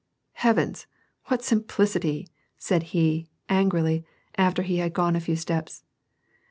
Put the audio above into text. '^ Heavens, what simplicity !"* said he, angrily, after he had gone a few steps.